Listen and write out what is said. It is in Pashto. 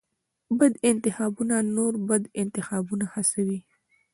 بد انتخابونه نور بد انتخابونه هڅوي.